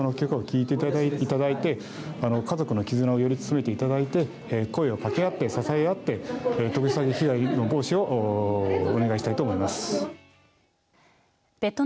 県民の皆さまにはこの曲を聴いていただいて家族のきずなをより強めていただいて声をかけあって支えあって特殊詐欺被害の防止をお願いしたいと思います。